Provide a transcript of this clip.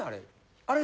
あれ。